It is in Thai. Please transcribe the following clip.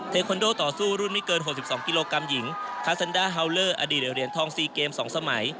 เทคอนโดต่อสู้รุ่นไม่เกิน๖๒กิโลกรัมหญิงคาซันดาฮาวเลอร์อดีตเหรียญทอง๔เกม๒สมัย